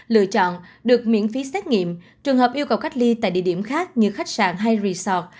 lựa chọn được miễn phí xét nghiệm trường hợp yêu cầu cách ly tại địa điểm khác như khách sạn hay resort